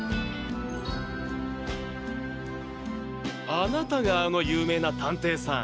あなたがあの有名な探偵さん？